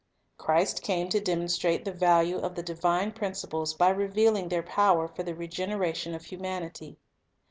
Christ came to demonstrate the value of the divine principles by revealing their power for the regeneration of humanity.